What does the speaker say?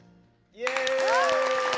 イエーイ！